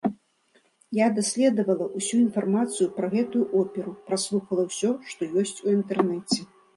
Я даследавала ўсю інфармацыю пра гэтую оперу, праслухала ўсё, што ёсць у інтэрнэце.